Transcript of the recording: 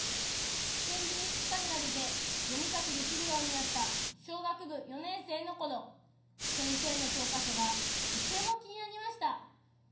点字にすっかり慣れて読み書きできるようになった小学部４年生の頃先生の教科書がとても気になりました。